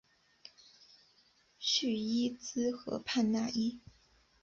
叙伊兹河畔讷伊。